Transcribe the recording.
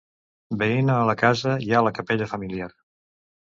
Veïna a la casa hi ha la capella familiar.